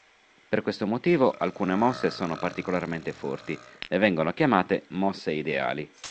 Per questo motivo alcune mosse sono particolarmente forti e vengono chiamate "mosse ideali".